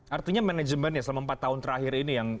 artinya manajemen ya selama empat tahun terakhir ini yang